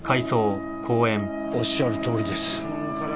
おっしゃるとおりです。